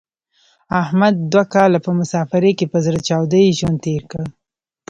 احمد دوه کاله په مسافرۍ کې په زړه چاودې ژوند تېر کړ.